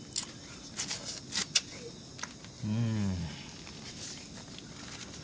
うん。